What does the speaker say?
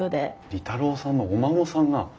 利太郎さんのお孫さんが。